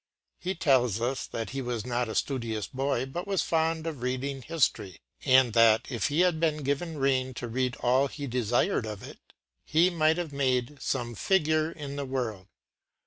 He tells us that he was not a studious boy, but was fond of reading history; and that if he had been given rein to read all he desired of it, he might have made “some figure in the world.